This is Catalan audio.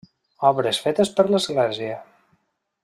Obres fetes per l'església.